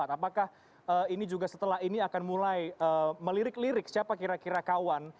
apakah ini juga setelah ini akan mulai melirik lirik siapa kira kira kawan